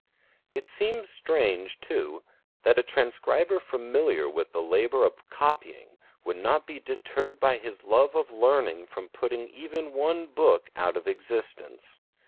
It seems strange, too, that a transcriber familiar with the labor of copying would not be deterred by his love of learning from putting even one book out of existence.